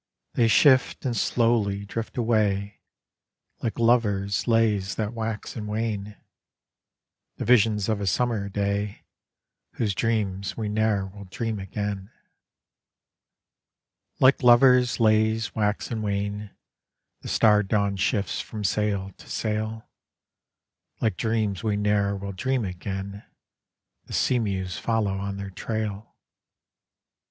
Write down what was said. v ■• They shift and slowly drift away Like lovers' lays that wax and wane, The visions of a summer—day Vfhose dreams we ne'er will dream again. Like lovers' lays wax and wane The star dawn shifts from sail to sail, Like dreams we ne'er will dream again; The sea mews follow on their trail.